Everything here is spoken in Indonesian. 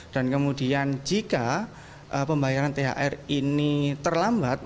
dan kemudian jika pembayaran thr ini terlambat